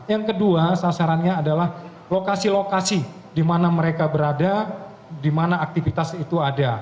yang kedua sasarannya adalah lokasi lokasi di mana mereka berada di mana aktivitas itu ada